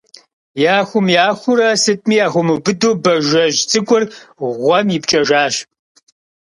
Яхум-яхуурэ – сытми яхуэмубыду Бажэжь цӀыкӀур гъуэм ипкӀэжащ.